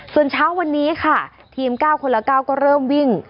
ส่วนเช้าวันนี้ค่ะทีม๙คนละ๙ก็เริ่มวิ่ง